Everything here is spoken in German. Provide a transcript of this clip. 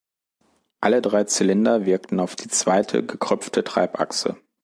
Alle drei Zylinder wirkten auf die zweite, gekröpfte Treibachse.